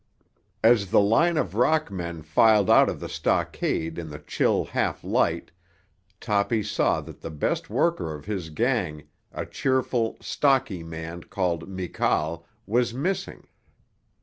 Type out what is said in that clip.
As the line of rock men filed out of the stockade in the chill half light Toppy saw that the best worker of his gang, a cheerful, stocky man called Mikal, was missing.